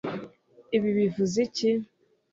ibi bivuze iki